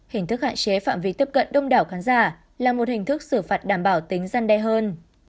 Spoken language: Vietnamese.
hình thức hạn chế phạm vi tiếp cận đông đảo khán giả là một hình thức xử phạt đảm bảo tính gian đe hơn